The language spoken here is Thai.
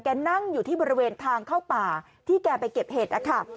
นั่งอยู่ที่บริเวณทางเข้าป่าที่แกไปเก็บเห็ดนะคะ